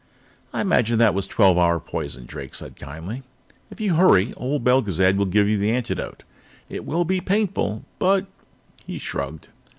"I imagine that was twelve hour poison," Drake said kindly. "If you hurry, old Belgezad will give you the antidote. It will be painful, but " He shrugged.